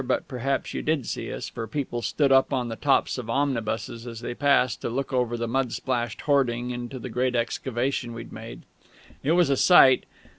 but perhaps you did see us, for people stood up on the tops of omnibuses as they passed, to look over the mud splashed hoarding into the great excavation we'd made. It was a sight.